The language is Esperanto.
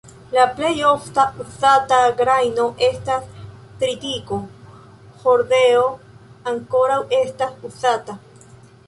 La plej ofte uzata grajno estas tritiko; hordeo ankaŭ estas uzata.